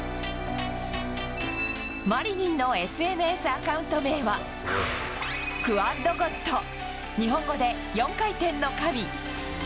マリニンのＳＮＳアカウント名は、クアッドゴッド、日本語で４回転の神。